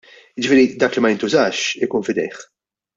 Jiġifieri dak li ma jintużax, ikun f'idejh.